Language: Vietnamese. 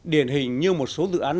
điển hình như một số dự án